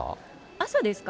朝ですか？